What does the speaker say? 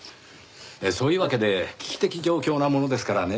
そういうわけで危機的状況なものですからね